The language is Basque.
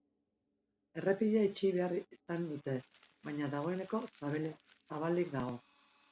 Errepidea itxi egin behar izan dute, baina dagoeneko zabalik dago.